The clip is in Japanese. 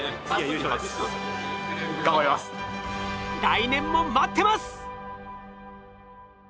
来年も待ってます！